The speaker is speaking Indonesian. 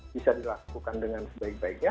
bisa dilakukan dengan sebaik baiknya